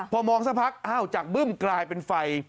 พอมองสักพักอ้าวจากบึ้มกลายเป็นไฟ